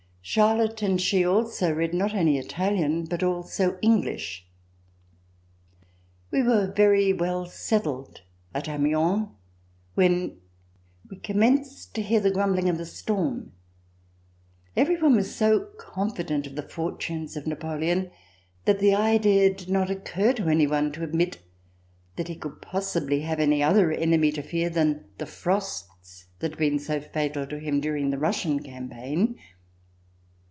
Charlotte and she also read not only Italian, but also English. We were very well settled at Amiens when we commenced to hear the grimibling of the storm. Every one was so confident of the fortunes of Na poleon, that the idea did not occur to any one to admit that he could possibly have any other enemy to fear than the frosts that had been so fatal to him during the Russian campaign.